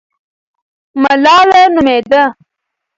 ملاله نومېده.